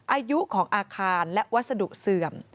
อายุของอาคารและวัสดุเสื่อม